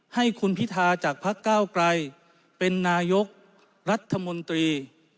ให้คุณพิธาจากพักก้าวไกลเป็นนายกรัฐมนตรี